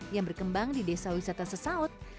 yang berkembang di desa wisata sesaut